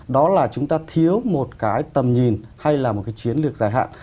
đó là chúng ta thiếu một cái tầm nhìn hay là một cái chiến lược dài hạn